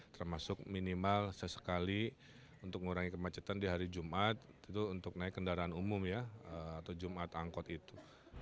termasuk minimal sesekali untuk mengurangi kemacetan di hari jumat itu untuk naik kendaraan umum ya atau jumat angkot itu